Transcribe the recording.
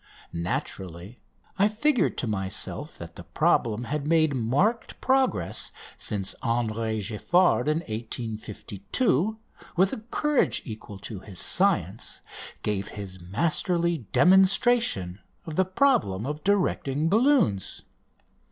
Naturally I figured to myself that the problem had made marked progress since Henry Giffard in 1852, with a courage equal to his science, gave his masterly demonstration of the problem of directing balloons.